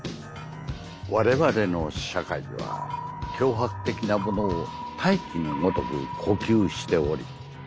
「われわれの社会は強迫的なものを大気のごとく呼吸しており」。